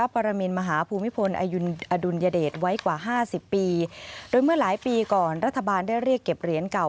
๕๐ปีโดยเมื่อหลายปีก่อนรัฐบาลได้เรียกเก็บเหรียญเก่า